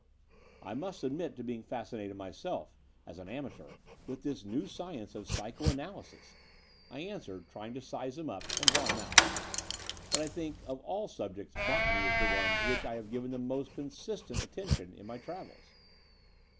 I must admit to being fascinated myself, as an amateur, with this new science of psycho analysis," The Brighton Road loi I answered, trying to size him up and draw him out. But I think of all subjects botany is the one to which I have given the most consistent attention in my travels."